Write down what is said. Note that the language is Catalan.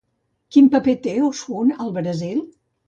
Quin paper té Oshún al Brasil?